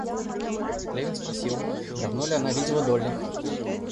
Левин спросил, давно ли она видела Долли.